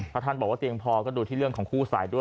ถ้าท่านบอกว่าเตียงพอก็ดูที่เรื่องของคู่สายด้วย